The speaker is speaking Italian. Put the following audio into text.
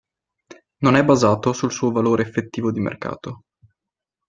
Non è basato sul suo valore effettivo di mercato.